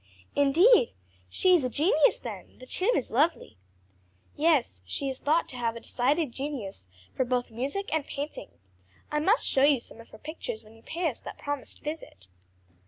"Indeed! she is a genius then! the tune is lovely." "Yes, she is thought to have a decided genius for both music and painting; I must show you some of her pictures when you pay us that promised visit."